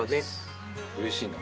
うれしいな。